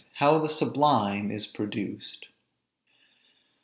HOW THE SUBLIME IS PRODUCED.